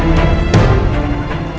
udah tidak tahan man